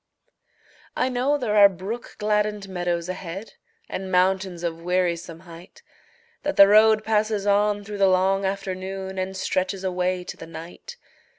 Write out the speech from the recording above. I know there are brook gladdened meadows ahead, And mountains of wearisome height; That the road passes on through the long afternoon And stretches away to the night.